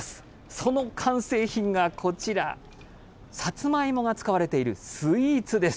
その完成品がこちら、サツマイモが使われているスイーツです。